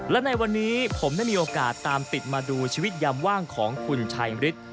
และในวันนี้ผมได้มีโอกาสตามติดมาดูชีวิตยามว่างของคุณชายมฤทธิ์